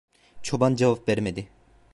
Çoban cevap vermedi.